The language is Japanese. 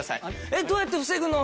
どうやって防ぐの？